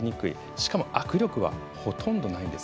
しかも握力はほとんどないんです。